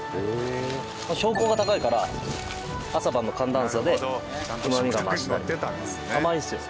標高が高いから朝晩の寒暖差でうまみが増したり。